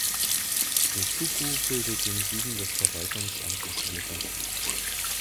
Der Suco bildet den Süden des Verwaltungsamts Vera Cruz.